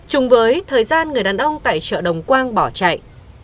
chung với thời gian người đàn ông tại chợ đồng quang bỏ chạy